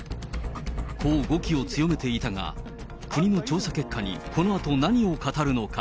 こう語気を強めていたが、国の調査結果に、このあと何を語るのか。